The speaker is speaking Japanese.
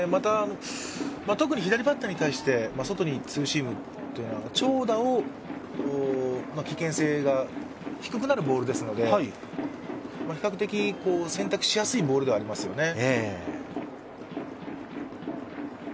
特に左バッターに対して、外にツーシームというのは長打を、危険性が低くなるボールですので比較的、選択しやすいボールではありますよね。